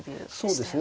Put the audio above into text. そうですね。